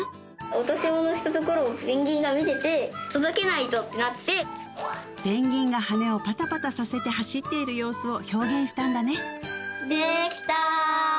落とし物したところをペンギンが見てて届けないとってなってペンギンが羽をパタパタさせて走っている様子を表現したんだねできた！